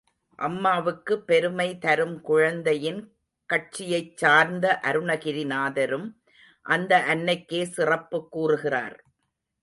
அம்மாவுக்கு பெருமை தரும் குழந்தையின் கட்சியைச் சார்ந்த அருணகிரிநாதரும் அந்த அன்னைக்கே சிறப்புக் கூறுகிறார்.